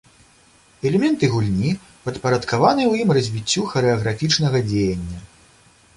Элементы гульні падпарадкаваны ў ім развіццю харэаграфічнага дзеяння.